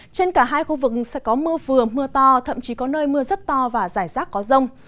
trên cả hai khu vực sẽ có mưa vừa mưa to thậm chí có nơi mưa rất to và rải rác có rông